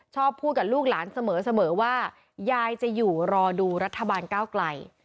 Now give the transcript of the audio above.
พูดกับลูกหลานเสมอว่ายายจะอยู่รอดูรัฐบาลก้าวไกล